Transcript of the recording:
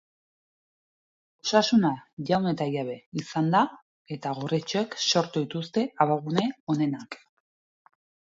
Osasuna jaun eta jabe izan da, eta gorritxoek sortu dituzte abagune onenak.